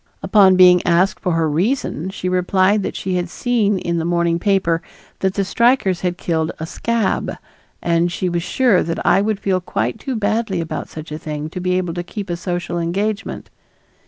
Upon being asked for her reason she replied that she had seen in the morning paper that the strikers had killed a "scab" and she was sure that I would feel quite too badly about such a thing to be able to keep a social engagement.